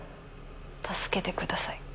助けてください。